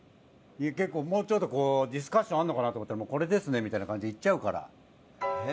結構もうちょっとこうディスカッションあるのかなと思ったら「これですね」みたいな感じでいっちゃうから。